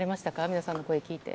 皆さんの声聞いて。